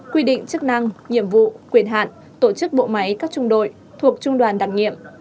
quy định chức năng nhiệm vụ quyền hạn tổ chức bộ máy các trung đội thuộc trung đoàn đặc nhiệm